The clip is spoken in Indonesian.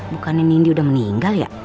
bukannya nindi udah meninggal ya